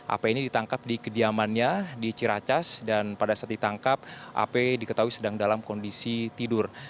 ap ini ditangkap di kediamannya di ciracas dan pada saat ditangkap ap diketahui sedang dalam kondisi tidur